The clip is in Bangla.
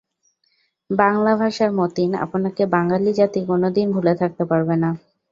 বাংলা ভাষার মতিন, আপনাকে বাঙালি জাতি কোনো দিন ভুলে থাকতে পারবে না।